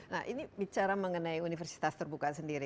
nah ini bicara mengenai universitas terbuka sendiri